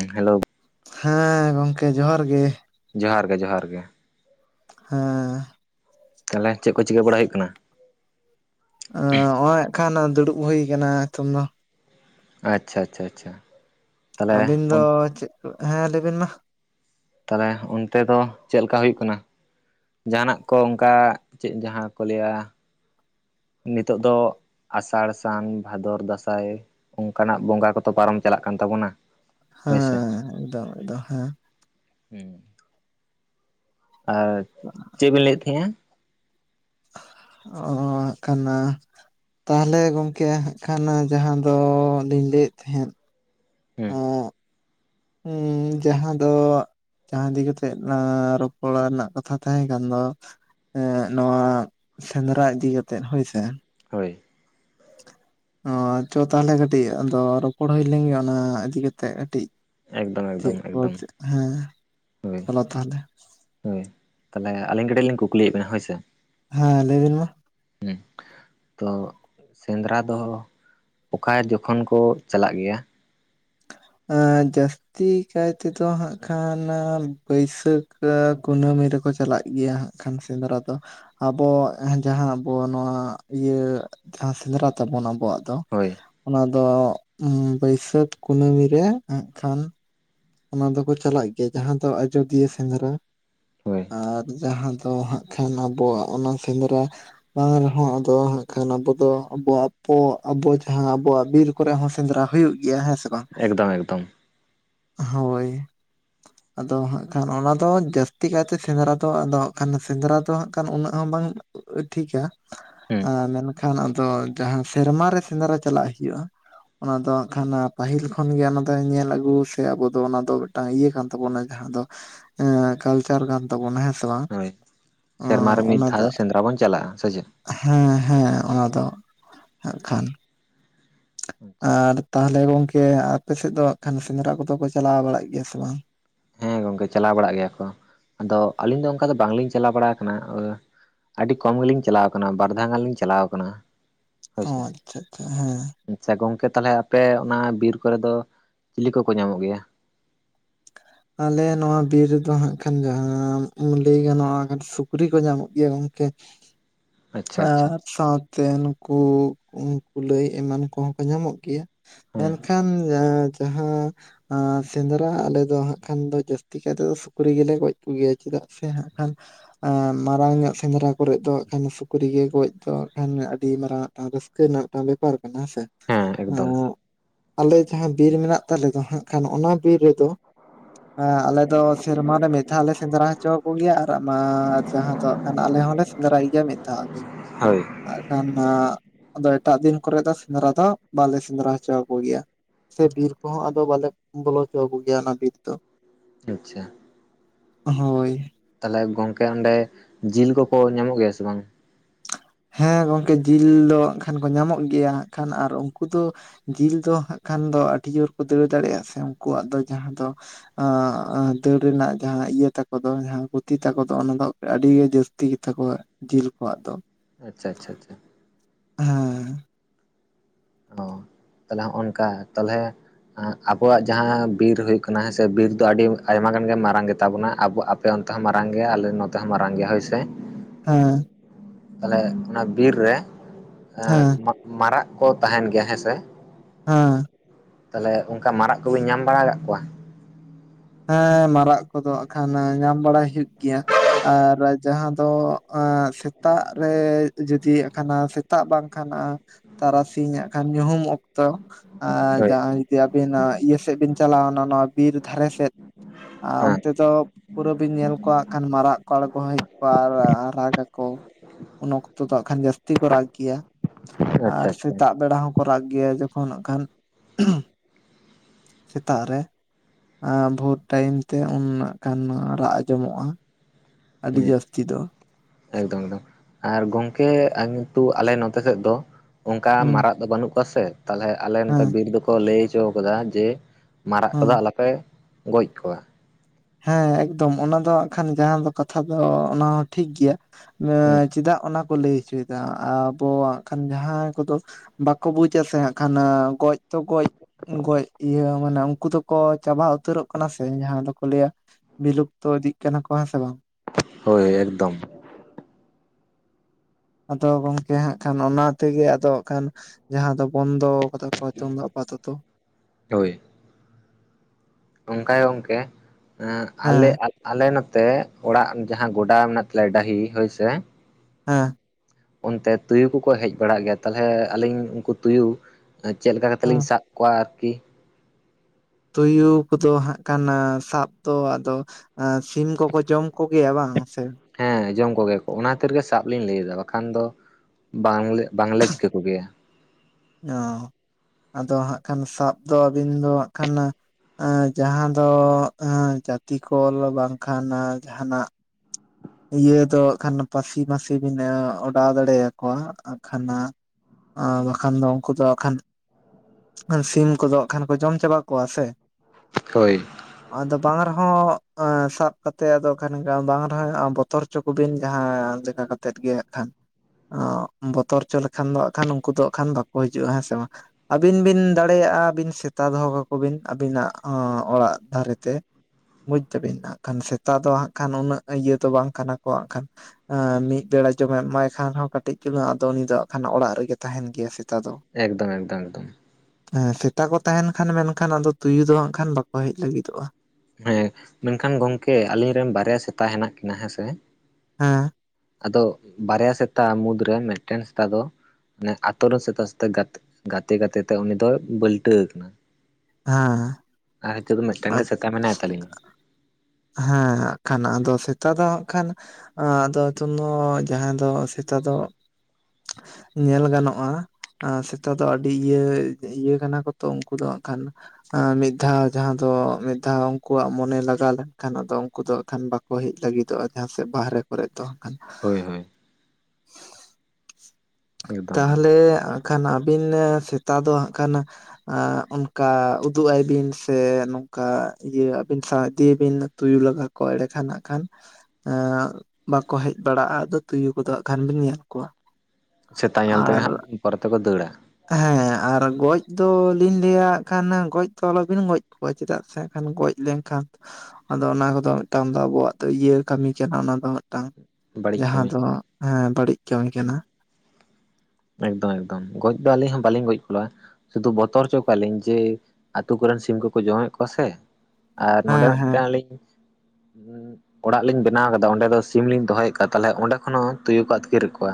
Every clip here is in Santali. ᱦᱩᱸ ᱦᱮᱞᱳᱣ, ᱦᱮᱸ ᱜᱚᱝᱠᱮ ᱡᱚᱦᱟᱨ ᱜᱮ᱾ ᱡᱚᱦᱟᱨ ᱜᱮ ᱡᱚᱦᱟᱨ ᱜᱮ᱾ ᱦᱮᱸᱻ᱾ ᱛᱟᱦᱚᱞᱮ ᱪᱮᱫ ᱠᱚ ᱪᱤᱠᱟᱹ ᱵᱟᱲᱟᱭ ᱦᱩᱭᱩᱜ ᱠᱟᱱᱟ? ᱱᱚᱜᱼᱚᱭ ᱮᱠᱷᱟᱱ ᱫᱩᱲᱩᱵ ᱦᱩᱭ ᱟᱠᱟᱱᱟ ᱱᱤᱛᱚᱝ ᱫᱚ᱾ ᱟᱪᱪᱷᱟ ᱟᱪᱪᱷᱟ ᱟᱪᱪᱷᱟ᱾ ᱛᱟᱦᱚᱞᱮ ᱟᱹᱵᱤᱱ ᱫᱚ ᱪᱮᱫ ᱠᱚ, ᱦᱮᱸ ᱞᱟᱹᱭᱵᱤᱱ ᱢᱟ᱾ ᱛᱟᱦᱚᱞᱮ ᱚᱱᱛᱮ ᱫᱚ ᱪᱮᱞᱠᱟ ᱦᱩᱭᱩᱜ ᱠᱟᱱᱟ? ᱡᱟᱦᱟᱸᱱᱟᱜ ᱠᱚ ᱚᱱᱠᱟ ᱪᱮᱫ ᱡᱟᱦᱟᱸ ᱠᱚ ᱞᱟᱹᱭᱟ ᱱᱤᱛᱚᱜ ᱫᱚ ᱟᱥᱟᱲ, ᱥᱟᱱ, ᱵᱷᱟᱫᱚᱨ, ᱫᱟᱸᱥᱟᱭ ᱚᱱᱠᱟᱱᱟᱜ ᱵᱚᱸᱜᱟ ᱠᱚᱛᱚ ᱯᱟᱨᱚᱢ ᱪᱟᱞᱟᱜ ᱠᱟᱱ ᱛᱟᱵᱚᱱᱟ᱾ ᱦᱳᱭᱥᱮ ᱦᱮᱸᱻ, ᱮᱠᱫᱚᱢ ᱮᱠᱫᱚᱢ ᱦᱮᱸ᱾ ᱦᱩᱸ᱾ ᱟᱨ ᱪᱮᱫ ᱵᱤᱱ ᱞᱟᱹᱭᱮᱫ [inaudible] ᱛᱟᱦᱮᱸᱜᱼᱟ ᱚᱸᱜ ᱠᱟᱱᱟ, ᱛᱟᱦᱚᱞᱮ ᱜᱚᱝᱠᱮ ᱦᱟᱸᱜ ᱠᱷᱟᱱ ᱡᱟᱦᱟᱸ ᱫᱚᱞᱤᱧ ᱞᱟᱹᱭᱮᱫ ᱛᱟᱦᱮᱸᱫ, ᱦᱩᱸ᱾ ᱩᱢᱻ ᱡᱟᱦᱟᱸ ᱫᱚ ᱡᱟᱦᱟᱸ ᱤᱫᱤ ᱠᱟᱛᱮᱜ ᱚᱱᱟ ᱨᱚᱯᱚᱲ ᱨᱮᱱᱟᱜ ᱠᱟᱛᱷᱟ ᱛᱟᱦᱮᱸ ᱠᱟᱱ ᱫᱚ ᱮᱸ ᱱᱚᱣᱟ ᱥᱮᱸᱫᱽᱨᱟ ᱤᱫᱤ ᱠᱟᱛᱮᱜ ᱦᱳᱭ ᱥᱮ, ᱦᱳᱭ᱾ ᱚ ᱪᱚ ᱛᱟᱦᱚᱞᱮ ᱠᱟᱹᱴᱤᱡ ᱟᱫᱚ ᱨᱚᱯᱚᱲ ᱦᱩᱭ ᱞᱮᱱᱜᱮ ᱚᱱᱟ ᱤᱫᱤ ᱠᱟᱛᱮᱫ ᱠᱟᱹᱴᱤᱡ᱾ ᱮᱠᱫᱚᱢ ᱮᱠᱫᱚᱢ ᱪᱮᱫ ᱠᱚ ᱮᱠᱫᱚᱢ ᱪᱮᱫ ᱦᱮᱸ ᱦᱳᱭ ᱪᱚᱞᱚ ᱛᱟᱦᱚᱞᱮ᱾ ᱦᱳᱭ, ᱛᱟᱦᱚᱞᱮ ᱟᱹᱞᱤᱧ ᱠᱟᱹᱴᱤᱡ ᱞᱤᱧ ᱠᱩᱠᱞᱤᱭᱮᱫ ᱵᱮᱱᱟ ᱦᱳᱭ ᱥᱮ᱾ ᱦᱮᱸ ᱞᱟᱹᱭ ᱵᱤᱱ ᱢᱟ᱾ ᱦᱩᱸ, ᱛᱚ ᱥᱮᱸᱫᱽᱨᱟ ᱫᱚ ᱚᱠᱟ ᱡᱚᱠᱷᱚᱱ ᱠᱚ ᱪᱟᱞᱟᱜ ᱜᱮᱭᱟ? ᱟᱸ ᱡᱟᱹᱥ ᱛᱤ ᱠᱟᱭ ᱛᱮᱫᱚ ᱦᱟᱸᱜ ᱠᱷᱟᱱ ᱵᱟᱹᱭᱥᱟᱹᱠᱷ ᱠᱩᱱᱟᱹᱢᱤ ᱨᱮᱠᱚ ᱪᱟᱞᱟᱜ ᱜᱮᱭᱟ ᱦᱟᱸᱜ, ᱠᱷᱟᱱ ᱥᱮᱸᱫᱽᱨᱟ ᱫᱚ᱾ ᱟᱵᱚ ᱡᱟᱦᱟᱸ ᱟᱵᱚ ᱱᱚᱣᱟ ᱤᱭᱟᱹ ᱡᱟᱦᱟᱸ ᱥᱮᱸᱫᱽᱨᱟ ᱛᱟᱵᱚᱱ ᱟᱵᱚᱣᱟᱜ, ᱛᱚ ᱦᱳᱭ ᱚᱱᱟ ᱫᱚ ᱵᱟᱹᱭᱥᱟᱹᱠᱷ ᱠᱩᱱᱟᱹᱢᱤ ᱨᱮ ᱦᱟᱸᱜ ᱠᱷᱟᱱ ᱚᱱᱟ ᱫᱚᱠᱚ ᱪᱟᱞᱟᱜ ᱜᱮᱭᱟ, ᱡᱟᱦᱟᱸ ᱫᱚ ᱟᱡᱚᱫᱤᱭᱟᱹ ᱥᱮᱸᱫᱽᱨᱟ ᱦᱳᱭ ᱟᱨ ᱡᱟᱦᱟᱸ ᱫᱚ ᱦᱟᱸᱜ ᱠᱷᱟᱱ ᱟᱵᱚᱣᱟᱜ ᱚᱱᱟ ᱥᱮᱸᱫᱽᱨᱟ ᱵᱟᱝ ᱨᱮᱦᱚᱸ ᱟᱫᱚ ᱦᱟᱸᱜ ᱠᱷᱟᱱ ᱟᱵᱚ ᱫᱚ ᱟᱵᱚᱣᱟᱜ ᱯᱚ ᱟᱵᱩ ᱡᱟᱦᱟᱸ ᱟᱵᱚᱣᱟᱜ ᱵᱤᱨ ᱠᱚᱨᱮᱜ ᱦᱚᱸ ᱥᱮᱸᱫᱽᱨᱟ ᱦᱩᱭᱩᱜ ᱜᱮᱭᱟ ᱦᱮᱸ ᱥᱮᱫ᱾ ᱮᱠᱫᱚᱢ ᱮᱠᱫᱚᱢ᱾ ᱦᱳᱭ᱾ ᱟᱫᱚ ᱦᱟᱸᱜ ᱠᱷᱟᱱ ᱚᱱᱟ ᱫᱚ ᱡᱟᱹᱥᱛᱤ ᱠᱟᱭᱛᱮ ᱥᱮᱸᱫᱽᱨᱟ ᱫᱚ ᱟᱫᱚ ᱠᱷᱟᱱ ᱥᱮᱸᱫᱽᱨᱟ ᱫᱚ ᱦᱟᱸᱜ ᱠᱷᱟᱱ ᱩᱱᱟᱹᱜ ᱦᱚᱸ ᱵᱟᱝ ᱴᱷᱤᱠᱟ, ᱟᱨ ᱢᱮᱱᱠᱷᱟᱱ ᱟᱫᱚ ᱡᱟᱦᱟᱸ ᱥᱮᱨᱢᱟ ᱨᱮ ᱥᱮᱸᱫᱽᱨᱟ ᱪᱟᱞᱟᱜ ᱦᱩᱭᱩᱜᱼᱟ᱾ ᱚᱱᱟ ᱫᱚ ᱦᱟᱸᱜ ᱠᱷᱟᱱ ᱯᱟᱹᱦᱤᱞ ᱠᱷᱚᱱ ᱜᱮ ᱚᱱᱟ ᱫᱚ ᱧᱮᱞ ᱟᱜᱩ ᱛᱮ ᱟᱵᱚ ᱫᱚ ᱚᱱᱟ ᱫᱚ ᱢᱤᱫᱴᱟᱝ ᱤᱭᱟᱹ ᱠᱟᱱ ᱛᱟᱵᱚᱱᱟ ᱡᱟᱦᱟᱸ ᱫᱚ ᱮᱸ ᱠᱟᱞᱪᱟᱨ ᱠᱟᱱ ᱛᱟᱵᱚᱱᱟ ᱦᱮᱸ ᱥᱮ ᱵᱟᱝ ᱦᱳᱭ, ᱥᱮᱨᱢᱟ ᱨᱮ ᱢᱤᱫ ᱚᱱᱟ ᱫᱚ ᱫᱷᱟᱣ ᱥᱮᱸᱫᱽᱨᱟ ᱵᱚᱱ ᱪᱟᱞᱟᱜᱼᱟ ᱥᱮ ᱪᱮᱫ? ᱦᱮᱸ ᱦᱮᱸ ᱚᱱᱟ ᱫᱚ ᱦᱟᱸᱜ ᱠᱷᱟᱱ᱾ ᱟᱨ ᱛᱟᱦᱚᱞᱮ ᱜᱚᱝᱠᱮ ᱟᱯᱮ ᱥᱮᱫ ᱫᱚ ᱦᱟᱸᱜ ᱠᱷᱟᱱ ᱥᱮᱸᱫᱽᱨᱟ ᱠᱚᱫᱚ ᱠᱚ ᱪᱟᱞᱟᱣ ᱵᱟᱲᱟᱜ ᱜᱮᱭᱟ ᱥᱮ ᱵᱟᱝ? ᱦᱮᱸ ᱜᱚᱝᱠᱮ ᱪᱟᱞᱟᱣ ᱵᱟᱲᱟᱜ ᱜᱮᱭᱟ ᱠᱚ ᱟᱫᱚ ᱟᱹᱞᱤᱧ ᱫᱚ ᱚᱱᱠᱟ ᱫᱚ ᱵᱟᱝᱞᱤᱧ ᱪᱟᱞᱟᱣ ᱵᱟᱲᱟ ᱠᱟᱱᱟ᱾ ᱟᱸᱻ ᱟᱹᱰᱤ ᱠᱚᱢ ᱜᱮᱞᱤᱧ ᱪᱟᱞᱟᱣ ᱠᱟᱱᱟ ᱵᱟᱨ ᱫᱷᱟᱣ ᱜᱟᱱ ᱞᱤᱧ ᱪᱟᱞᱟᱣ ᱠᱟᱱᱟ᱾ ᱚ ᱟᱪᱪᱷᱟ ᱟᱪᱪᱷᱟ ᱦᱮᱸ᱾ ᱟᱪᱪᱷᱟ ᱜᱚᱝᱠᱮ ᱛᱟᱞᱦᱮ ᱟᱯᱮ ᱚᱱᱟ ᱵᱤᱨ ᱠᱚᱨᱮ ᱫᱚ ᱪᱤᱞᱤ ᱠᱚᱠᱚ ᱧᱟᱢᱚᱜ ᱜᱮᱭᱟ? ᱟᱞᱮ ᱱᱚᱣᱟ ᱵᱤᱨ ᱨᱮᱫᱚ ᱦᱟᱸᱜ ᱠᱷᱟᱱ ᱡᱟᱦᱟᱸ ᱞᱟᱹᱭ ᱜᱟᱱᱚᱜᱼᱟ ᱥᱩᱠᱨᱤ ᱠᱚ ᱧᱟᱢᱚᱜ ᱜᱮᱭᱟ ᱜᱚᱝᱠᱮ᱾ ᱟᱪᱪᱷᱟ [inaudible] ᱟᱪᱪᱷᱟ ᱟᱨ ᱥᱟᱶᱛᱮ ᱱᱩᱠᱩ ᱩᱸ ᱠᱩᱞᱟᱹᱭ ᱮᱢᱟᱱ ᱠᱚᱦᱚᱸ ᱠᱚ ᱧᱟᱢᱚᱜ ᱜᱮᱭᱟ᱾ ᱦᱮᱸ ᱢᱮᱱᱠᱷᱟᱱ ᱡᱟᱦᱟᱸ ᱟᱸ ᱥᱮᱸᱫᱽᱨᱟ ᱟᱞᱮ ᱫᱚ ᱦᱟᱸᱜ ᱠᱷᱟᱱ ᱫᱚ ᱡᱟᱹᱥᱛᱤ ᱠᱟᱭ ᱛᱮᱫᱚ ᱥᱩᱠᱨᱤ ᱜᱮᱞᱮ ᱜᱚᱡ ᱠᱚᱜᱮᱭᱟ ᱪᱮᱫᱟᱜ ᱥᱮ ᱦᱟᱸᱜ ᱠᱷᱟᱱ ᱢᱟᱨᱟᱝ ᱧᱚᱜ ᱥᱮᱸᱫᱽᱨᱟ ᱠᱚᱨᱮᱜ ᱫᱚ ᱦᱟᱸᱜ ᱠᱷᱟᱱ ᱥᱩᱠᱨᱤ ᱜᱮ ᱜᱚᱡ ᱫᱚ ᱦᱟᱸᱜ ᱠᱷᱟᱱ ᱟᱹᱰᱤ ᱢᱟᱨᱟᱝᱟᱜ ᱨᱟᱹᱥᱠᱟᱹ ᱨᱮᱱᱟᱜ ᱢᱤᱫᱴᱟᱝ ᱵᱮᱯᱟᱨ ᱠᱟᱱᱟ ᱦᱮᱸ ᱥᱮ᱾ ᱦᱮᱸ ᱮᱠᱫᱚᱢ ᱟᱞᱮ ᱡᱟᱦᱟᱸ ᱵᱤᱨ ᱢᱮᱱᱟᱜ ᱛᱟᱞᱮ ᱫᱚ ᱦᱟᱸᱜ ᱠᱷᱟᱱ ᱚᱱᱟ ᱵᱤᱨ ᱨᱮᱫᱚ ᱟᱸ ᱟᱞᱮ ᱫᱚ ᱥᱮᱨᱢᱟ ᱨᱮ ᱢᱤᱫ ᱫᱷᱟᱣ ᱞᱮ ᱥᱮᱸᱫᱽᱨᱟ ᱦᱚᱪᱚ ᱟᱠᱚ ᱜᱮᱭᱟ ᱟᱨ ᱟᱢᱟᱜ ᱡᱟᱦᱟᱸ ᱫᱚ ᱟᱨ ᱟᱞᱮ ᱦᱚᱸᱞᱮ ᱥᱮᱸᱫᱽᱨᱟᱭ ᱜᱮᱭᱟ ᱢᱤᱫ ᱫᱷᱟᱣ ᱜᱮ᱾ ᱦᱳᱭ ᱦᱟᱸᱜ ᱠᱷᱟᱱ ᱟᱸ ᱟᱫᱚ ᱮᱴᱟᱜ ᱫᱤᱱ ᱠᱚᱨᱮ ᱫᱚ ᱥᱮᱸᱫᱽᱨᱟ ᱫᱚ ᱵᱟᱞᱮ ᱥᱮᱸᱫᱽᱨᱟ ᱦᱚᱪᱚ ᱟᱠᱚ ᱜᱮᱭᱟ᱾ ᱥᱮ ᱵᱤᱨ ᱠᱚᱦᱚᱸ ᱟᱫᱚ ᱵᱟᱞᱮ ᱵᱚᱞᱚ ᱦᱚᱪᱚᱣᱟ ᱠᱚᱜᱮᱭᱟ ᱚᱱᱟ ᱵᱤᱨ ᱫᱚ ᱟᱪᱪᱷᱟ ᱦᱳᱭ ᱛᱟᱞᱦᱮ ᱜᱚᱝᱠᱮ ᱚᱸᱰᱮ ᱡᱤᱞ ᱠᱚᱠᱚ ᱧᱟᱢᱚᱜ ᱜᱮᱭᱟ ᱥᱮ ᱵᱟᱝ? ᱦᱮᱸ ᱜᱚᱢᱠᱮ ᱡᱤᱞ ᱫᱚ ᱦᱟᱸᱜ ᱠᱷᱟᱱ ᱠᱚ ᱧᱟᱢᱚᱜ ᱜᱮᱭᱟ ᱦᱟᱸᱜ ᱠᱷᱟᱱ ᱟᱨ ᱩᱝᱠᱩ ᱫᱚ ᱡᱤᱞ ᱫᱚ ᱦᱟᱸᱜ ᱠᱷᱟᱱ ᱫᱚ ᱟᱹᱰᱤ ᱡᱳᱨ ᱠᱚ ᱫᱟᱹᱲ ᱫᱟᱲᱮᱭᱟᱜᱼᱟ ᱥᱮ ᱩᱱᱠᱩᱣᱟᱜ ᱫᱚ ᱡᱟᱦᱟᱸ ᱫᱚ ᱟᱸ ᱫᱟᱹᱲ ᱨᱮᱱᱟᱜ ᱡᱟᱦᱟᱸ ᱤᱭᱟᱹ ᱛᱟᱠᱚ ᱫᱚ ᱡᱟᱦᱟᱸ ᱜᱩᱛᱤ ᱛᱟᱠᱚ ᱫᱚ ᱚᱱᱟ ᱫᱚ ᱟᱹᱰᱤ ᱜᱮ ᱡᱟᱹᱥᱛᱤ ᱜᱮ ᱛᱟᱠᱚᱣᱟ ᱡᱤᱞ ᱠᱚᱣᱟᱜ ᱫᱚ᱾ ᱟᱪᱪᱷᱟ ᱟᱪᱪᱷᱟ ᱟᱪᱪᱷᱟ ᱦᱮᱸ ᱚ ᱛᱟᱞᱦᱮ ᱱᱚᱜᱼᱚ ᱱᱚᱝᱠᱟ ᱛᱟᱞᱦᱮ ᱟᱸ ᱟᱵᱚᱣᱟᱜ ᱡᱟᱦᱟᱸ ᱵᱤᱨ ᱦᱩᱭᱩᱜ ᱠᱟᱱᱟ ᱦᱮᱸ ᱥᱮ ᱵᱤᱨ ᱫᱚ ᱟᱹᱰᱤ ᱟᱭᱢᱟ ᱜᱟᱱ ᱜᱮ ᱢᱟᱨᱟᱝ ᱜᱮ ᱛᱟᱵᱚᱱᱟ ᱟᱵᱚ ᱟᱯᱮ ᱚᱱᱛᱮ ᱦᱚᱸ ᱢᱟᱨᱟᱝ ᱜᱮᱭᱟ ᱟᱞᱮ ᱱᱚᱛᱮ ᱦᱚᱸ ᱢᱟᱨᱟᱝ ᱜᱮᱭᱟ ᱦᱳᱭ ᱥᱮ᱾ ᱦᱮᱸ ᱾ ᱛᱟᱞᱦᱮ ᱚᱱᱟ ᱵᱤᱨ ᱨᱮ ᱦᱮᱸ ᱮᱸᱜ ᱢᱟᱨᱟᱜ ᱠᱚ ᱛᱟᱸᱦᱮᱱ ᱜᱮᱭᱟ ᱦᱮᱸ ᱥᱮ ᱦᱮᱸ ᱛᱟᱞᱦᱮ ᱚᱝᱠᱟ ᱢᱟᱨᱟᱜ ᱠᱚᱵᱤᱱ ᱧᱟᱢ ᱵᱟᱲᱟ ᱟᱠᱟᱜ ᱠᱚᱣᱟ ᱦᱮᱸ ᱢᱟᱨᱟᱜ ᱠᱚᱫᱚ ᱦᱟᱜ ᱠᱷᱟᱱ ᱧᱟᱢ ᱵᱟᱲᱟᱭ ᱦᱩᱭᱩᱜ ᱜᱮᱭᱟ ᱟᱨ ᱡᱟᱦᱟᱸ ᱫᱚ ᱚᱸ ᱥᱮᱛᱟᱜ ᱨᱮ ᱡᱩᱫᱤᱭ ᱦᱟᱜ ᱠᱷᱟᱱ ᱥᱮᱛᱟᱜ ᱵᱟᱝᱠᱷᱟᱱ ᱛᱟᱨᱟᱥᱤᱧ ᱦᱟᱜ ᱠᱷᱟᱱ ᱧᱩᱦᱩᱢ ᱚᱠᱛᱚ ᱟᱨ ᱦᱳᱭ ᱡᱟᱦᱟᱸ ᱡᱩᱫᱤ ᱟᱵᱤᱱ ᱤᱭᱟᱹ ᱥᱮᱫ ᱵᱤᱱ ᱪᱟᱞᱟᱣ ᱮᱱᱟ ᱱᱚᱣᱟ ᱵᱤᱨ ᱫᱷᱟᱨᱮ ᱥᱮᱫ ᱟᱨ ᱚᱱᱛᱮ ᱫᱚ ᱯᱩᱨᱟᱹ ᱵᱤᱱ ᱧᱮᱞ ᱠᱚᱣᱟ ᱦᱟᱜ ᱠᱷᱟᱱ ᱢᱟᱨᱟᱜ ᱠᱚ ᱟᱸᱬᱜᱚ ᱦᱮᱡ ᱠᱚᱜ-ᱟ ᱟᱨ ᱨᱟᱜ ᱟᱠᱚ ᱩᱱ ᱚᱠᱛᱚ ᱫᱚ ᱦᱟᱸᱜ ᱠᱷᱟᱱ ᱡᱟᱹᱥᱛᱤ ᱠᱚ ᱨᱟᱜ ᱜᱮᱭᱟ ᱟᱪᱪᱷᱟ ᱟᱨ ᱟᱪᱪᱷᱟ ᱦᱮᱸ ᱥᱮᱛᱟᱜ ᱵᱮᱲᱟ ᱦᱚᱸ ᱠᱚ ᱨᱟᱜ ᱜᱮᱭᱟ ᱡᱚᱠᱷᱚᱱ ᱱᱟᱜ ᱠᱷᱟᱱ ᱥᱮᱛᱟᱜ ᱨᱮ ᱮᱸ ᱵᱷᱳᱨ ᱴᱟᱭᱤᱢ ᱛᱮ ᱩᱱ ᱱᱟᱜ ᱠᱷᱟᱱ ᱨᱟᱜ ᱟᱸᱡᱚᱢᱚᱜᱼᱟ ᱟᱹᱰᱤ ᱡᱟᱹᱥᱛᱤ ᱫᱚ ᱮᱠᱫᱚᱢ ᱮᱠᱫᱚᱢ ᱟᱨ ᱜᱚᱝᱠᱮ [unintelligible] ᱟᱞᱮ ᱱᱚᱛᱮ ᱥᱮᱫ ᱫᱚ ᱚᱝᱠᱟ ᱦᱩᱸ ᱢᱟᱨᱟᱜ ᱫᱚ ᱵᱟᱹᱱᱩᱜ ᱠᱚᱣᱟ ᱥᱮ ᱛᱟᱞᱦᱮ ᱟᱞᱮ ᱦᱮᱸ ᱱᱚᱛᱮ ᱵᱤᱨ ᱫᱚᱠᱚ ᱞᱟᱹᱭ ᱦᱚᱪᱚ ᱟᱠᱟᱫᱟ ᱡᱮ ᱢᱟᱨᱟᱜ ᱠᱚᱫᱚ ᱦᱮᱸ ᱟᱞᱚ ᱯᱮ ᱜᱚᱡ ᱠᱚᱣᱟ ᱦᱮᱸ ᱮᱠᱫᱚᱢ ᱚᱱᱟ ᱫᱚ ᱦᱟᱸᱜ ᱠᱷᱟᱱ ᱡᱟᱦᱟᱸ ᱫᱚ ᱠᱟᱛᱷᱟ ᱫᱚ ᱚᱱᱟ ᱦᱚᱸ ᱴᱷᱤᱠ ᱜᱮᱭᱟ ᱱᱚᱣᱟ ᱪᱮᱫᱟᱜ ᱚᱱᱟ ᱠᱚ ᱞᱟᱹᱭ ᱦᱚᱪᱚᱭᱮᱫᱟ ᱟᱵᱚᱣᱟᱜ ᱠᱷᱟᱱ ᱡᱟᱦᱟᱸᱭ ᱠᱚᱫᱚ ᱵᱟᱠᱚ ᱵᱩᱡᱟ ᱥᱮ ᱦᱟᱸᱜ ᱠᱷᱟᱱ ᱟ ᱜᱚᱡ ᱛᱚ ᱜᱚᱡ ᱜᱚᱡ ᱤᱭᱟᱹ ᱢᱟᱱᱮ ᱩᱱᱠᱩ ᱫᱚᱠᱚ ᱪᱟᱵᱟ ᱩᱛᱟᱹᱨᱚᱜ ᱠᱟᱱᱟ ᱥᱮ ᱡᱟᱦᱟᱸ ᱫᱚ ᱠᱚ ᱞᱟᱹᱭᱟ ᱵᱤᱞᱩᱯᱛᱚ ᱤᱫᱤᱜ ᱠᱟᱱᱟ ᱠᱚ ᱦᱮᱸ ᱥᱮ ᱵᱟᱝ ᱦᱳᱭ ᱮᱠᱫᱚᱢ ᱟᱫᱚ ᱜᱚᱝᱠᱮ ᱦᱟᱸᱜ ᱠᱷᱟᱱ ᱚᱱᱟ ᱛᱮᱜᱮ ᱟᱫᱚ ᱦᱟᱸᱜ ᱠᱷᱟᱱ ᱡᱟᱦᱟᱸ ᱫᱚ ᱵᱚᱱᱫᱚ ᱯᱟᱛᱟ ᱠᱚ ᱛᱚᱢᱫᱟᱜ ᱟᱯᱟᱛᱚᱛᱚ᱾ ᱦᱳᱭ ᱚᱝᱱᱠᱟ ᱜᱚᱝᱠᱮ ᱮᱸ ᱦᱮᱸ ᱟᱞᱮ ᱟᱞᱮ ᱱᱚᱛᱮ ᱚᱲᱟᱜ ᱡᱟᱦᱟᱸ ᱜᱚᱰᱟ ᱢᱮᱱᱟᱜ ᱛᱟᱞᱮ ᱰᱟᱦᱤ ᱦᱳᱭ ᱥᱮ᱾ ᱦᱮᱸ ᱚᱱᱛᱮ ᱛᱩᱭᱩ ᱠᱚᱠᱚ ᱦᱮᱡ ᱵᱟᱲᱟᱜ ᱜᱮᱭᱟ ᱛᱟᱞᱦᱮ ᱟᱹᱞᱤᱧ ᱩᱝᱠᱩ ᱛᱩᱭᱩ ᱪᱮᱫ ᱞᱮᱠᱟ ᱠᱟᱛᱮ ᱦᱮᱸ ᱞᱤᱧ ᱥᱟᱵ ᱠᱚᱣᱟ ᱟᱨᱠᱤ᱾ ᱛᱩᱭᱩ ᱠᱚᱫᱚ ᱦᱟᱸᱜ ᱠᱟᱱᱟ ᱥᱟᱵ ᱫᱚ ᱟᱫᱚ ᱥᱤᱢ ᱠᱚᱠᱚ ᱡᱚᱢ ᱠᱚᱜᱮᱭᱟ ᱵᱟᱝ ᱥᱮ ᱦᱮᱸ ᱡᱚᱢ ᱠᱚᱜᱮᱭᱟᱠᱚ ᱚᱱᱟ ᱠᱷᱟᱹᱛᱤᱨ ᱜᱮ ᱥᱟᱵ ᱞᱤᱧ ᱞᱟᱹᱭᱫᱟ ᱵᱟᱠᱷᱟᱱ ᱫᱚ ᱵᱟᱝᱞᱮ ᱵᱟᱝᱞᱮ ᱪᱤᱠᱟᱹ ᱠᱚᱜᱮᱭᱟ᱾ ᱚᱸ ᱟᱫᱚ ᱦᱟᱸᱜ ᱠᱷᱟᱱ ᱥᱟᱵ ᱫᱚ ᱟᱵᱤᱱ ᱫᱚ ᱦᱟᱸᱜ ᱠᱷᱟᱱ ᱟᱹᱻ ᱡᱟᱦᱟᱸ ᱫᱚ ᱡᱟᱹᱛᱤ ᱠᱚᱞ ᱵᱟᱝᱠᱷᱟᱱ ᱡᱟᱦᱟᱱᱟᱜ ᱤᱭᱟᱹ ᱫᱚ ᱦᱟᱸᱜ ᱠᱷᱟᱱ ᱯᱟᱥᱤ ᱢᱟᱥᱤ ᱵᱤᱱ ᱚᱰᱟᱣ ᱫᱟᱲᱮᱭᱟ ᱠᱚᱣᱟ ᱟᱨ ᱠᱷᱟᱱᱟ᱾ ᱟ. ᱻ ᱵᱟᱠᱷᱟᱱ ᱫᱚ ᱩᱱᱠᱩ ᱫᱚ ᱦᱟᱸᱜ ᱠᱷᱟᱱ ᱥᱤᱢ ᱠᱚᱫᱚ ᱟᱜ ᱠᱷᱟᱱ ᱠᱚ ᱡᱚᱢ ᱪᱟᱵᱟ ᱠᱚᱜᱣᱟ ᱥᱮ᱾ ᱦᱳᱭ ᱟᱫᱚ ᱵᱟᱝ ᱨᱮᱦᱚᱸ ᱟᱹ ᱥᱟᱵ ᱠᱟᱛᱮᱜ ᱟᱫᱚ ᱠᱷᱟᱱ ᱵᱟᱝ ᱨᱮᱦᱚᱸ ᱵᱚᱛᱚᱨ ᱦᱚᱪᱚ ᱠᱚᱵᱤᱱ ᱡᱟᱦᱟᱸ ᱞᱮᱠᱟ ᱠᱟᱛᱮᱫ ᱜᱮ ᱦᱟᱜᱠᱷᱟᱱ ᱟᱹᱻ ᱵᱚᱛᱚᱨ ᱦᱚᱪᱚ ᱞᱮᱠᱷᱟᱱ ᱫᱚ ᱦᱟᱸᱜ ᱠᱷᱟᱱ ᱩᱱᱠᱩ ᱫᱚ ᱦᱟᱸᱜ ᱠᱷᱟᱱ ᱵᱟᱠᱚ ᱦᱤᱡᱩᱜ-ᱟ ᱦᱮᱸᱥᱮ ᱢᱟ ᱟᱹᱵᱤᱱ ᱵᱤᱱ ᱫᱟᱲᱮᱭᱟᱜ-ᱟ ᱟᱹᱵᱤᱱ ᱥᱮᱛᱟ ᱫᱚᱦᱚ ᱠᱟᱠᱚ ᱵᱤᱱ ᱟᱹᱵᱤᱱᱟᱜ ᱚᱲᱟᱜ ᱫᱷᱟᱨᱮ ᱛᱮ᱾ ᱵᱩᱡᱽ ᱫᱟᱹᱵᱤᱱ ᱱᱟᱸᱜᱠᱷᱟᱱ ᱥᱮᱛᱟ ᱫᱚ ᱦᱟᱸᱜ ᱠᱷᱟᱱ ᱩᱱᱟᱹᱜ ᱤᱭᱟᱹ ᱫᱚ ᱵᱟᱝ ᱠᱟᱱᱟ ᱠᱚ ᱦᱟᱸᱜ ᱠᱷᱟᱱ ᱟᱹᱻ ᱢᱤᱫ ᱵᱮᱲᱟ ᱡᱚᱢᱮᱢ ᱮᱢᱟᱭ ᱠᱷᱟᱱ ᱦᱚᱸ ᱠᱟᱹᱴᱤᱡ ᱪᱩᱞᱩᱝ ᱟᱫᱚ ᱩᱱᱤᱫ ᱫᱚ ᱦᱟᱸᱜ ᱠᱷᱟᱱ ᱚᱲᱟᱜ ᱨᱮᱜᱮ ᱛᱟᱸᱦᱮᱱ ᱜᱮᱭᱟ ᱥᱮᱛᱟ ᱫᱚ᱾ ᱮᱠᱫᱚᱢ ᱮᱠᱫᱚᱢ ᱮᱠᱫᱚᱢ᱾ ᱦᱮᱸ ᱥᱮᱛᱟ ᱠᱚ ᱛᱟᱸᱦᱮᱱ ᱠᱷᱟᱱ ᱢᱮᱱᱠᱷᱟᱱ ᱟᱫᱚ ᱛᱩᱭᱩ ᱫᱚ ᱦᱟᱸᱜ ᱠᱷᱟᱱ ᱵᱟᱠᱚ ᱦᱮᱡ ᱞᱟᱹᱜᱤᱫᱚᱜ-ᱟ᱾ ᱦᱮᱸ ᱢᱮᱱᱠᱷᱟᱱ ᱜᱚᱝᱠᱮ ᱟᱞᱤᱧ ᱨᱮᱱ ᱵᱟᱨᱭᱟ ᱥᱮᱛᱟ ᱦᱮᱱᱟᱜ ᱠᱤᱱᱟ ᱦᱮᱸᱥᱮ ᱦᱮᱸ ᱟᱫᱚ ᱵᱟᱨᱭᱟ ᱥᱮᱛᱟ ᱢᱩᱫᱽᱨᱮ ᱢᱤᱫᱴᱮᱱ ᱥᱮᱛᱟ ᱫᱚ ᱢᱟᱱᱮ ᱟᱛᱳ ᱨᱮᱱ ᱥᱮᱛᱟ ᱥᱟᱶ ᱜᱟᱛᱮ ᱜᱟᱛᱮ ᱛᱮ ᱩᱱᱤ ᱫᱚᱭ ᱵᱟᱹᱞᱴᱟᱹ ᱠᱟᱱᱟ᱾ ᱦᱮᱸ ᱦᱮᱸ ᱱᱤᱛᱚᱜ ᱫᱚ ᱢᱤᱫᱴᱟᱝ ᱜᱮ ᱥᱮᱛᱟ ᱢᱮᱱᱟᱭ ᱛᱟᱹᱞᱤᱧᱟ᱾ ᱦᱮᱸ ᱦᱟᱜᱠᱷᱟᱱ ᱟᱫᱚ ᱥᱮᱛᱟ ᱫᱚ ᱦᱟᱸᱜ ᱠᱷᱟᱱ ᱟᱹᱻ ᱟᱫᱚ ᱱᱤᱛᱚᱝ ᱫᱚ ᱡᱟᱦᱟᱸᱭ ᱫᱚ ᱥᱮᱛᱟ ᱫᱚ ᱧᱮᱞ ᱜᱟᱱᱚᱜ-ᱟ ᱥᱮᱛᱟ ᱫᱚ ᱟᱹᱰᱤ ᱤᱭᱟᱹ ᱤᱭᱟᱹ ᱠᱟᱱᱟ ᱠᱚ ᱛᱚ ᱩᱱᱠᱩ ᱫᱚ ᱦᱟᱸᱜ ᱠᱷᱟᱱ ᱟᱹᱻ ᱢᱤᱫ ᱫᱷᱟᱣ ᱡᱟᱦᱟᱸ ᱫᱚ ᱢᱤᱫ ᱫᱷᱟᱣ ᱩᱱᱠᱩᱣᱟᱜ ᱢᱚᱱᱮ ᱞᱟᱜᱟᱣ ᱞᱮᱱᱠᱷᱟᱱ ᱟᱫᱚ ᱩᱱᱠᱩ ᱫᱚ ᱦᱟᱜ ᱠᱷᱟᱱ ᱵᱟᱠᱚ ᱦᱮᱡ ᱞᱟᱹᱜᱤᱫᱚᱜ-ᱟ ᱡᱟᱦᱟᱸ ᱥᱮᱫ ᱵᱟᱦᱨᱮ ᱠᱚᱨᱮ ᱫᱚ ᱦᱟᱸᱜ ᱡᱷᱟᱱ ᱦᱳᱭ ᱦᱳᱭ ᱮᱠᱫᱚᱢ ᱜᱮ ᱛᱟᱦᱚᱞᱮ ᱦᱟᱸᱜ ᱠᱷᱟᱱ ᱟᱹᱵᱤᱱ ᱥᱮᱛᱟ ᱫᱚ ᱦᱟᱸᱜ ᱠᱷᱟᱱ ᱟᱹᱻ ᱚᱱᱠᱟ ᱩᱫᱩᱜ ᱟᱭ ᱵᱤᱱ ᱥᱮ ᱱᱚᱝᱠᱟ ᱤᱭᱟᱹ ᱟᱹᱵᱤᱱ ᱥᱟᱶ ᱤᱫᱤᱭ ᱵᱤᱱ ᱛᱩᱭᱩ ᱞᱟᱜᱟ ᱠᱚ ᱮᱲᱮ ᱠᱷᱟᱱ ᱱᱟᱜᱠᱷᱟᱱ ᱮᱻ ᱵᱟᱠᱚ ᱦᱮᱡ ᱵᱟᱲᱟᱜ-ᱟ ᱟᱫᱚ ᱛᱩᱭᱩ ᱠᱚᱫᱚ ᱦᱟᱸᱜ ᱠᱷᱟᱱ ᱵᱮᱱ ᱧᱮᱞ ᱠᱚᱣᱟ᱾ ᱥᱮᱛᱟ ᱧᱮᱞ ᱛᱮᱜᱮ ᱟᱨ ᱦᱟᱸᱜ ᱯᱚᱨᱮ ᱛᱮᱠᱚ ᱫᱟᱹᱲᱟ᱾ ᱦᱮᱸ ᱟᱨ ᱜᱚᱡ ᱫᱚᱞᱤᱧ ᱞᱮᱭᱟ ᱦᱟᱸᱜ ᱠᱷᱟᱱ ᱜᱚᱡ ᱫᱚ ᱟᱞᱚᱵᱤᱱ ᱜᱚᱡ ᱠᱟᱣᱟ ᱪᱮᱫᱟᱜ ᱥᱮ ᱮᱜ-ᱠᱷᱟᱱ ᱜᱚᱡ ᱞᱮᱱᱠᱷᱟᱱ ᱟᱫᱚ ᱚᱱᱟ ᱠᱚᱫᱚ ᱢᱤᱫᱴᱟᱝ ᱫᱚ ᱟᱵᱚᱣᱟᱜ ᱫᱚ ᱤᱭᱟᱹ ᱠᱟᱹᱢᱤ ᱠᱟᱱᱟ ᱚᱱᱟ ᱫᱚ ᱢᱤᱫᱴᱟᱝ ᱵᱟᱹᱲᱤᱡ ᱡᱟᱦᱟᱸ ᱠᱟᱹᱢᱤ ᱫᱚ ᱦᱮᱸ ᱵᱟᱹᱲᱤᱡ ᱠᱟᱹᱢᱤ ᱠᱟᱱᱟ᱾ ᱮᱠᱫᱚᱢ ᱮᱠᱫᱚᱢ ᱜᱚᱡ ᱫᱚ ᱟᱹᱞᱤᱧ ᱦᱚᱸ ᱵᱟᱹᱞᱤᱧ ᱜᱚᱡ ᱠᱚᱣᱟ ᱠᱚᱣᱟ ᱥᱩᱫᱷᱩ ᱵᱚᱛᱚᱨ ᱦᱚᱪᱚ ᱠᱚᱣᱟ ᱞᱤᱧ ᱡᱮ ᱟᱹᱛᱩ ᱠᱚᱨᱮᱱ ᱥᱤᱢ ᱠᱚᱠᱚ ᱡᱚᱢᱮᱫ ᱠᱚᱣᱟ ᱥᱮ᱾ ᱟᱨ ᱱᱚᱸᱰᱮ ᱦᱮᱸ ᱦᱮᱸ ᱢᱤᱫᱴᱟᱝ ᱟᱹᱞᱤᱧᱼᱼ ᱚᱲᱟᱜ ᱞᱤᱧ ᱵᱮᱱᱟᱣ ᱠᱟᱫᱟ ᱚᱸᱰᱮ ᱫᱚ ᱥᱤᱢ ᱞᱤᱧ ᱫᱚᱦᱚᱭᱮᱫ ᱠᱚᱣᱟ ᱛᱟᱦᱚᱞᱮ ᱚᱸᱰᱮ ᱠᱷᱚᱱ ᱦᱚᱸ ᱛᱩᱭᱩ ᱠᱚ ᱟᱹᱠᱤᱨᱮᱫ ᱠᱚᱣᱟ᱾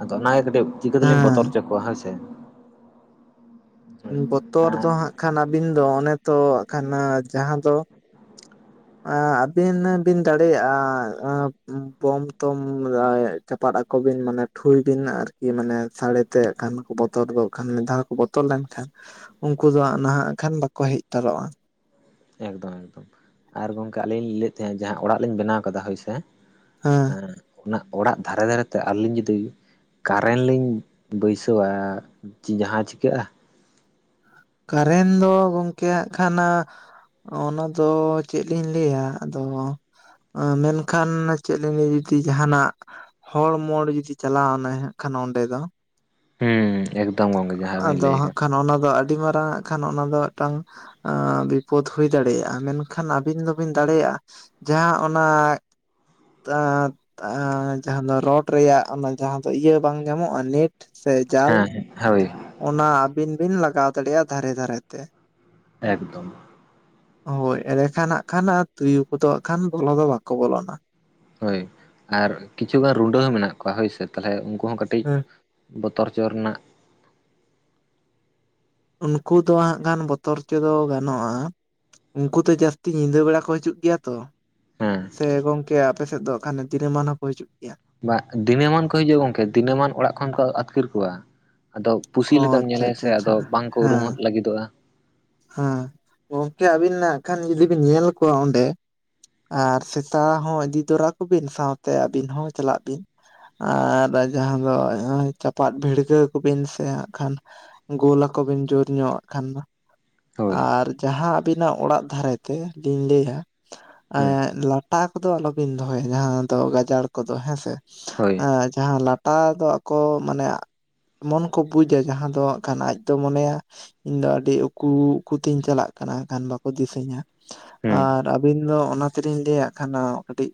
ᱟᱫᱚ ᱚᱱᱟᱜᱮ ᱠᱟᱹᱴᱤᱡ ᱪᱤᱠᱟᱹ ᱛᱮᱞᱤᱧ ᱵᱚᱛᱚᱨ ᱦᱚᱪᱚ ᱠᱚᱣᱟ ᱦᱮᱸ ᱥᱮ? ᱵᱚᱛᱚᱨ ᱫᱚ ᱦᱟᱸᱜ ᱠᱷᱟᱱ ᱟᱹᱵᱤᱱ ᱫᱚ ᱚᱱᱮ ᱛᱚ ᱦᱟᱸᱜ ᱠᱷᱟᱱ ᱡᱟᱦᱟᱸ ᱫᱚᱼᱼ [unintelligible] ᱟᱹᱵᱤᱱ ᱵᱤᱱ ᱫᱟᱲᱮᱭᱟᱜᱼᱟ ᱵᱚᱢ ᱛᱚᱢᱼᱼ ᱪᱟᱯᱟᱫ ᱟᱠᱚ ᱵᱤᱱ ᱢᱟᱱᱮ ᱴᱷᱩᱭ ᱵᱤᱱ ᱟᱨᱠᱤ ᱢᱟᱱᱮ ᱥᱟᱹᱲᱮᱛᱮ ᱠᱷᱟᱱ ᱠᱚ ᱵᱚᱛᱚᱨᱚᱜ ᱠᱷᱟᱱ ᱢᱤᱫ ᱫᱷᱟᱣ ᱠᱚ ᱵᱚᱛᱚᱨ ᱞᱮᱱ ᱠᱷᱟᱱᱼᱼ ᱩᱱᱠᱩ ᱫᱚ ᱱᱟᱦᱟᱜ ᱠᱷᱟᱱ ᱵᱟᱠᱚ ᱦᱮᱡ ᱦᱟᱛᱟᱨᱚᱜᱼᱟ᱾ ᱮᱠᱫᱚᱢ ᱮᱠᱫᱚᱢ ᱟᱨ ᱜᱚᱢᱠᱮ ᱟᱹᱞᱤᱧ ᱞᱟᱹᱭᱮᱫ ᱛᱟᱦᱮᱸᱫ ᱡᱟᱦᱟᱸ ᱚᱲᱟᱜ ᱞᱤᱧ ᱵᱮᱱᱟᱣ ᱠᱟᱫᱟ ᱦᱳᱭ ᱥᱮ, ᱦᱮᱸ ᱚᱱᱟ ᱚᱲᱟᱜ ᱫᱷᱟᱨᱮ ᱫᱷᱟᱨᱮᱛᱮ ᱟᱹᱞᱤᱧ ᱡᱩᱫᱤᱼᱼ ᱠᱟᱨᱮᱱ ᱞᱤᱧ ᱵᱟᱹᱭᱥᱟᱹᱣᱟ ᱡᱟᱦᱟᱸ ᱪᱤᱠᱟᱹᱜᱼᱟ? ᱠᱟᱨᱮᱱᱴ ᱫᱚ ᱜᱚᱢᱠᱮ ᱦᱟᱸᱜ ᱠᱷᱟᱱᱼᱼ ᱚᱱᱟ ᱫᱚ ᱪᱮᱫ ᱞᱤᱧ ᱞᱟᱹᱭᱟ ᱟᱫᱚᱼᱼ ᱢᱮᱱᱠᱷᱟᱱ ᱪᱮᱫ ᱞᱤᱧ [unintelligible] ᱡᱩᱫᱤ ᱡᱟᱦᱟᱱᱟᱜᱼᱼ ᱦᱚᱲ ᱢᱳᱲ ᱡᱩᱫᱤ ᱪᱟᱞᱟᱣᱱᱟᱭ ᱦᱟᱸᱜ ᱠᱷᱟᱱ ᱚᱸᱰᱮ ᱫᱚᱼᱼ ᱦᱩᱸ ᱮᱠᱫᱚᱢ ᱜᱚᱢᱠᱮ, ᱟᱫᱚ ᱦᱟᱸᱜ ᱠᱷᱟᱱ ᱚᱱᱟ ᱫᱚ ᱟᱹᱰᱤ ᱢᱟᱨᱟᱝ ᱟᱜ- ᱠᱷᱟᱱ ᱚᱱᱟ ᱫᱚ ᱢᱤᱫᱴᱟᱝ ᱵᱤᱯᱚᱫ ᱦᱩᱭ ᱫᱟᱲᱮᱭᱟᱜᱼᱟ ᱢᱮᱱᱠᱷᱟᱱ ᱟᱹᱵᱤᱱ ᱫᱚᱵᱤᱱ ᱫᱟᱲᱮᱭᱟᱜᱼᱟ᱾ ᱡᱟᱦᱟᱸ ᱚᱱᱟᱼᱼ ᱡᱟᱦᱟᱸ ᱫᱚ ᱨᱚᱰ ᱨᱮᱭᱟᱜ ᱚᱱᱟ ᱡᱟᱦᱟᱸ ᱫᱚ ᱤᱭᱟᱹ ᱵᱟᱝ ᱧᱟᱢᱚᱜᱼᱟ ᱱᱮᱴ, ᱥᱮ ᱡᱟᱞ ᱦᱮᱸ ᱦᱮᱸ ᱦᱳᱭ᱾ ᱚᱱᱟ ᱟᱹᱵᱤᱱ ᱵᱤᱱ ᱞᱟᱜᱟᱣ ᱫᱟᱲᱮᱭᱟᱜᱼᱟ ᱫᱷᱟᱨᱮ ᱫᱷᱟᱨᱮᱛᱮ᱾ ᱮᱠᱫᱚᱢ ᱦᱳᱭ ᱮᱲᱮ ᱠᱷᱟᱱ ᱦᱟᱸᱜ ᱠᱷᱟᱱ ᱟᱨ ᱛᱩᱭᱩ ᱠᱚᱫᱚ ᱦᱟᱸᱜ ᱠᱷᱟᱱ ᱵᱚᱞᱚ ᱫᱚ ᱵᱟᱠᱚ ᱵᱚᱞᱚᱱᱟ᱾ ᱦᱳᱭ ᱟᱨ ᱠᱤᱪᱷᱩᱜᱟᱱ ᱨᱩᱰᱟᱹ ᱦᱚᱸ ᱢᱮᱱᱟᱜ ᱠᱚᱣᱟ ᱦᱳᱭ ᱥᱮ ᱛᱟᱦᱚᱞᱮ ᱩᱱᱠᱩ ᱦᱚᱸ ᱠᱟᱹᱴᱤᱡᱼᱼ ᱦᱮᱸ ᱵᱚᱛᱚᱨ ᱪᱚᱨ ᱨᱮᱱᱟᱜᱼᱼ ᱩᱱᱠᱩ ᱫᱚ ᱦᱟᱸᱜ ᱜᱟᱱ ᱵᱚᱛᱚᱨ ᱪᱚ ᱜᱟᱱᱚᱜᱼᱟ, ᱩᱱᱠᱩ ᱫᱚ ᱡᱟᱹᱥᱛᱤ ᱧᱤᱫᱟᱹ ᱵᱮᱲᱟ ᱠᱚ ᱦᱤᱡᱩᱜ ᱜᱤᱭᱟ ᱛᱚ᱾ ᱦᱮᱸ ᱥᱮ ᱜᱚᱝᱠᱮ ᱟᱯᱮ ᱥᱮᱫ ᱫᱚ ᱟᱜᱠᱷᱟᱱ ᱫᱤᱱᱟᱹᱢᱟᱱ ᱦᱚᱸᱠᱚ ᱦᱤᱡᱩᱜ ᱜᱤᱭᱟ? ᱵᱟᱜ ᱫᱤᱱᱟᱹᱢᱟᱱ ᱠᱚ ᱦᱤᱡᱩᱜᱼᱟ ᱜᱚᱝᱠᱮ ᱫᱤᱱᱟᱹᱢᱟᱱ ᱚᱲᱟᱜ ᱠᱷᱚᱱ ᱠᱚ ᱟᱹᱛᱠᱤᱨ ᱠᱚᱣᱟ᱾ ᱟᱫᱚ ᱯᱩᱥᱤ ᱚ ᱞᱮᱠᱟᱢ ᱟᱪᱪᱷᱟ ᱧᱮᱞᱮᱭᱟ ᱟᱪᱪᱷᱟ ᱥᱮ ᱟᱪᱪᱷᱟ ᱟᱫᱚ ᱵᱟᱝ ᱠᱚ ᱦᱮᱸ ᱩᱨᱩᱢᱦᱚᱫ ᱞᱟᱜᱤᱫᱚᱜᱼᱟ᱾ ᱦᱮᱸ ᱜᱚᱝᱠᱮ ᱟᱹᱵᱤᱱ ᱱᱟᱜᱠᱷᱟᱱ ᱡᱩᱫᱤ ᱵᱤᱱ ᱧᱮᱞ ᱠᱚᱣᱟ ᱚᱸᱰᱮᱼᱼ ᱟᱨ ᱥᱮᱛᱟ ᱦᱚᱸ ᱤᱫᱤ ᱛᱚᱨᱟ ᱠᱩᱵᱤᱱ ᱥᱟᱶᱛᱮ ᱟᱹᱵᱤᱱ ᱦᱚᱸ ᱪᱟᱞᱟᱜ ᱵᱤᱱ᱾ ᱟᱨ ᱡᱟᱦᱟᱸ ᱫᱚ ᱱᱚᱜᱼᱚᱭ ᱪᱟᱯᱟᱫ ᱵᱷᱤᱲᱜᱟᱹᱣ ᱠᱚᱵᱤᱱ ᱥᱮ ᱦᱟᱸᱜ ᱠᱷᱟᱱᱼᱼ ᱜᱳᱞᱟᱠ ᱵᱤᱱ ᱡᱳᱨᱧᱚᱜ ᱦᱟᱜ ᱠᱷᱟᱱ ᱫᱚᱼᱼ ᱦᱳᱭ ᱟᱨ ᱡᱟᱦᱟᱸ ᱟᱹᱵᱤᱱᱟᱜ ᱚᱲᱟᱜ ᱫᱷᱟᱨᱮ ᱛᱮ ᱞᱤᱧ ᱞᱟᱹᱭᱟᱼᱼ ᱮ ᱦᱮᱸ ᱞᱟᱴᱟ ᱠᱚᱫᱚ ᱟᱞᱚᱵᱤᱱ ᱫᱚᱦᱚᱭᱟ ᱡᱟᱦᱟᱸ ᱫᱚ ᱜᱟᱡᱟᱲ ᱠᱚᱫᱚ ᱦᱮᱸ ᱥᱮ, ᱦᱳᱭ ᱡᱟᱦᱟᱸ ᱞᱟᱴᱟ ᱫᱚ ᱟᱠᱚ ᱢᱟᱱᱮᱼᱼ ᱢᱚᱱ ᱠᱚ ᱵᱩᱡᱟ ᱡᱟᱦᱟᱸ ᱫᱚ ᱦᱟᱜ ᱠᱷᱟᱱ ᱟᱡ ᱫᱚ ᱢᱚᱱᱮᱭᱟ ᱤᱧ ᱫᱚ ᱟᱹᱰᱤ ᱩᱠ- ᱩᱠᱩ ᱩᱠᱩᱛᱤᱧ ᱪᱟᱞᱟᱜ ᱠᱟᱱᱟ ᱦᱟᱜ ᱠᱷᱟᱱ ᱵᱟᱠᱚ ᱫᱤᱥᱟᱹᱧᱟ, ᱦᱩᱸ ᱟᱨ ᱟᱹᱵᱤᱱ ᱫᱚ ᱚᱱᱟ ᱛᱮᱞᱤᱧ ᱞᱟᱹᱭᱟᱜ ᱟᱸᱜᱠᱟᱱᱟ ᱠᱟᱹᱴᱤᱡᱼᱼ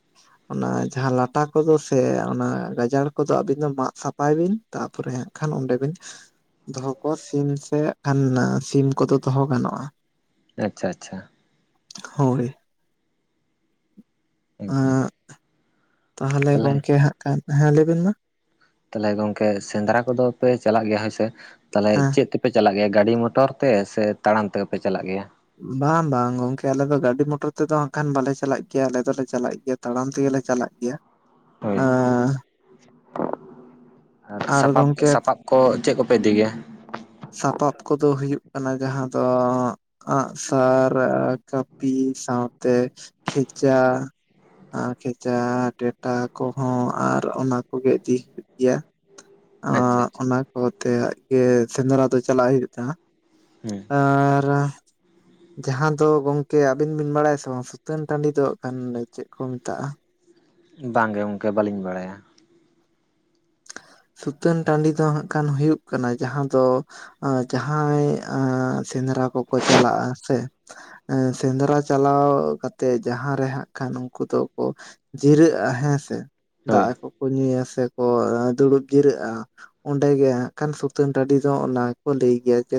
ᱚᱱᱟ ᱡᱟᱦᱟᱸ ᱞᱟᱴᱟ ᱠᱚᱫᱚ ᱥᱮ ᱚᱱᱟ ᱜᱟᱡᱟᱲ ᱠᱚᱫᱚ ᱟᱹᱵᱤᱱ ᱫᱚ ᱢᱟᱜ ᱥᱟᱯᱷᱟᱭ ᱵᱤᱱ, ᱛᱟᱯᱚᱨᱮ ᱦᱟᱸᱜ ᱠᱷᱟᱱ ᱚᱸᱰᱮ ᱵᱤᱱ ᱫᱚᱦᱚ ᱠᱚᱣᱟ ᱥᱤᱢ ᱥᱮ ᱦᱟᱸᱜ ᱠᱷᱟᱱ ᱥᱤᱢᱼᱼ ᱠᱚᱫᱚ ᱫᱚᱦᱚ ᱜᱟᱱᱚᱜᱼᱟ᱾ ᱟᱪᱪᱷᱟ ᱟᱪᱪᱷᱟ ᱦᱳᱭ ᱮᱠᱫᱚᱢ ᱟᱸ ᱛᱟᱦᱚᱞᱮ ᱜᱚᱝᱠᱮ ᱦᱟᱸᱜ ᱠᱷᱟᱱ ᱦᱮᱸ ᱞᱟᱹᱭᱵᱤᱱ ᱢᱟ ᱛᱟᱦᱚᱞᱮ ᱜᱚᱢᱠᱮ ᱥᱮᱸᱫᱽᱨᱟ ᱠᱚᱫᱚ ᱯᱮ ᱪᱟᱞᱟᱜ ᱜᱮᱭᱟ ᱦᱳᱭᱥᱮ ᱛᱟᱦᱚᱞᱮ ᱦᱮᱸ ᱪᱮᱫ ᱛᱮᱯᱮᱼᱼ ᱯᱮ ᱪᱟᱞᱟᱜ ᱜᱮᱭᱟ ᱜᱟᱹᱰᱤ ᱢᱚᱴᱚᱨ ᱛᱮ ᱥᱮ ᱛᱟᱲᱟᱢ ᱛᱮᱜᱮᱯᱮ ᱪᱟᱞᱟᱜ ᱜᱮᱭᱟ? ᱵᱟᱝ ᱵᱟᱝ ᱜᱚᱢᱠᱮ ᱟᱞᱮ ᱫᱚ ᱜᱟᱹᱰᱤ ᱢᱚᱴᱚᱨ ᱛᱮᱫᱚ ᱦᱟᱸᱜ ᱠᱷᱟᱱ ᱵᱟᱞᱮ ᱪᱟᱞᱟᱜ ᱜᱮᱭᱟ ᱟᱞᱮ ᱫᱚᱞᱮ ᱪᱟᱞᱟᱜ ᱜᱮᱭᱟ ᱛᱟᱲᱟᱢ ᱛᱮᱜᱮ ᱞᱮ ᱪᱟᱞᱟᱜ ᱜᱮᱭᱟ ᱦᱳᱭ ᱟᱸ ᱟᱨ ᱥᱟᱯᱟᱯ ᱥᱟᱯᱟᱯ ᱠᱚ ᱪᱮᱫ ᱠᱚᱯᱮ ᱤᱫᱤ ᱜᱮᱭᱟ ᱥᱟᱯᱟᱯ ᱠᱚᱫᱚ ᱦᱩᱭᱩᱜ ᱠᱟᱱᱟ ᱡᱟᱦᱟᱸ ᱫᱚ ᱟᱸᱜᱼᱥᱟᱨ ᱠᱟᱹᱯᱤ ᱥᱟᱶᱛᱮ ᱠᱷᱮᱪᱟ ᱟᱨ ᱠᱷᱮᱪᱟ ᱴᱮᱴᱟ ᱠᱚᱦᱚᱸ ᱟᱨ ᱚᱱᱟ ᱠᱚᱜᱮ ᱤᱫᱤ ᱦᱩᱭᱩᱜ ᱜᱮᱭᱟ ᱟᱪᱪᱷᱟ ᱟᱸ ᱟᱪᱪᱷᱟ ᱚᱱᱟ ᱠᱚᱛᱮᱜ ᱜᱮ ᱥᱮᱸᱫᱽᱨᱟ ᱫᱚ ᱪᱟᱞᱟᱜ ᱦᱩᱭᱩᱜ ᱜᱮ ᱛᱟᱦᱮᱸᱜ-ᱟ ᱾ ᱦᱩᱸ ᱟᱨ ᱡᱟᱦᱟᱸ ᱫᱚ ᱜᱚᱢᱠᱮ ᱟᱵᱤᱱ ᱵᱤᱱ ᱵᱟᱲᱟᱭᱟ ᱥᱮ ᱵᱟᱝ ᱥᱩᱛᱟᱹᱱ ᱴᱟᱺᱰᱤ ᱫᱚ ᱦᱟᱸᱜ ᱠᱷᱟᱱ ᱪᱮᱫ ᱠᱚ ᱢᱮᱛᱟᱜᱼᱟ ᱵᱟᱝ ᱜᱮ ᱜᱚᱢᱠᱮ ᱵᱟᱹᱞᱤᱧ ᱵᱟᱲᱟᱭᱟ ᱥᱩᱛᱟᱹᱱ ᱴᱟᱺᱰᱤ ᱫᱚ ᱦᱟᱸᱜ ᱠᱷᱟᱱ ᱦᱩᱭᱩᱜ ᱠᱟᱱᱟ ᱡᱟᱦᱟᱸ ᱫᱚ ᱡᱟᱦᱟᱸᱭ ᱥᱮᱸᱫᱽᱨᱟ ᱠᱚᱠᱚ ᱪᱟᱞᱟᱜᱼᱟ ᱥᱮ ᱥᱮᱸᱫᱽᱨᱟ ᱪᱟᱞᱟᱣ ᱠᱟᱛᱮᱫ ᱡᱟᱦᱟᱸ ᱨᱮ ᱦᱟᱸᱜ ᱠᱷᱟᱱ ᱩᱱᱠᱩ ᱫᱚ ᱠᱚ ᱡᱤᱨᱟᱹᱜᱼᱟ ᱦᱮᱸ ᱥᱮ ᱦᱳᱭ ᱫᱟᱜ ᱠᱚᱠᱚ ᱧᱩᱭᱟ ᱥᱮ ᱠᱚ ᱫᱩᱲᱩᱵ ᱡᱤᱨᱟᱹᱜᱼᱟ ᱚᱸᱰᱮ ᱜᱮ ᱦᱟᱸᱜ ᱠᱷᱟᱱ ᱥᱩᱛᱟᱹᱱ ᱴᱟᱺᱰᱤ ᱫᱚ ᱚᱱᱟ ᱜᱮ ᱠᱚ ᱞᱟᱹᱭ ᱜᱮᱭᱟ ᱡᱮ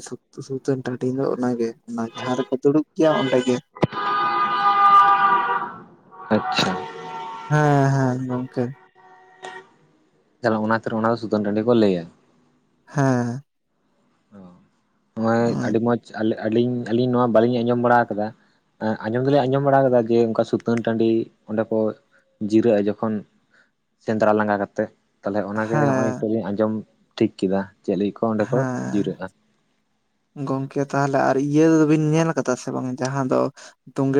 ᱥᱩᱛᱟᱹᱱ ᱴᱟᱺᱰᱤ ᱫᱚ ᱚᱱᱟ ᱜᱮ ᱚᱱᱟ ᱡᱟᱦᱟ ᱨᱮᱠᱚ ᱫᱩᱲᱩᱵ ᱜᱮᱭᱟ ᱚᱸᱰᱮ ᱜᱮ [inaudible] ᱟᱪᱪᱷᱟ ᱦᱮᱸ ᱦᱮᱸ ᱜᱚᱢᱠᱮ ᱛᱟᱦᱞᱮ ᱚᱱᱟ ᱠᱷᱟᱛᱤᱨ ᱚᱱᱟ ᱫᱚ ᱥᱩᱛᱟᱹᱱ ᱴᱟᱺᱰᱤ ᱠᱚ ᱞᱟᱹᱭᱟ ᱦᱮᱸ ᱱᱚᱜᱼᱚᱭ ᱟᱹᱰᱤ ᱢᱚᱸᱡᱽ ᱟᱹᱞᱤᱧ ᱟᱹᱞᱤᱧ ᱱᱚᱣᱟ ᱵᱟᱹᱞᱤᱧ ᱟᱸᱡᱚᱢ ᱵᱟᱲᱟ ᱟᱠᱟᱫᱟ ᱟᱸ ᱟᱸᱡᱚᱢ ᱫᱩᱞᱤᱧ ᱟᱸᱡᱚᱢ ᱵᱟᱲᱟ ᱟᱠᱟᱫᱟ ᱡᱮ ᱚᱱᱠᱟ ᱥᱩᱛᱟᱹᱱ ᱴᱟᱺᱰᱤ ᱚᱸᱰᱮ ᱠᱚ ᱡᱤᱨᱟᱹᱜᱼᱟ ᱡᱚᱠᱷᱚᱱ ᱥᱮᱸᱫᱽᱨᱟ ᱞᱟᱸᱜᱟ ᱠᱟᱛᱮᱫ ᱛᱟᱦᱚᱞᱮ ᱚᱱᱟ ᱜᱮ ᱦᱚᱸᱜᱼᱚᱭ ᱦᱮᱸ ᱦᱤᱸᱛᱳᱜ ᱞᱤᱧ ᱟᱸᱡᱚᱢ ᱴᱷᱤᱠ ᱠᱮᱫᱟ ᱪᱮᱫ ᱞᱟᱹᱜᱤᱫ ᱠᱚ ᱚᱸᱰᱮ ᱠᱚ ᱦᱮᱸ ᱡᱤᱨᱟᱹᱜᱼᱟ ᱜᱚᱝᱠᱮ ᱛᱟᱦᱚᱞᱮ ᱟᱨ ᱤᱭᱟᱹ ᱫᱚᱵᱤᱱ ᱧᱮᱞ ᱟᱠᱟᱫᱟ ᱥᱮ ᱵᱟᱝ ᱡᱟᱦᱟᱸ ᱫᱚ ᱛᱳᱸᱜᱮ